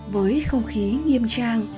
với không khí nghiêm trang